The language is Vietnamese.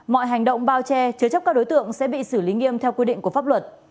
mọi hành động bao che chứa chấp các đối tượng sẽ bị xử lý nghiêm theo quy định của pháp luật